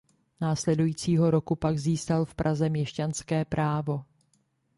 Následujícího roku pak získal v Praze měšťanské právo.